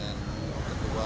dan ada para jurang juga